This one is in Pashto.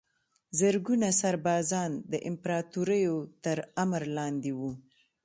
زرګونه سربازان د امپراتوریو تر امر لاندې وو.